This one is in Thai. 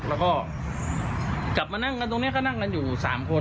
แล้วก็กลับมานั่งกันตรงนี้ก็นั่งกันอยู่๓คน